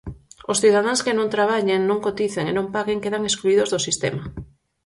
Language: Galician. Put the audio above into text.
Os cidadáns que non traballen, non coticen e non paguen quedan excluídos do sistema.